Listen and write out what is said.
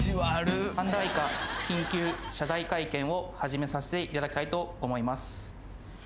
神田愛花緊急謝罪会見を始めさせていただきたいと思います。